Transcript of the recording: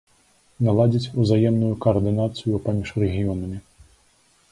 Наладзіць узаемную каардынацыю паміж рэгіёнамі.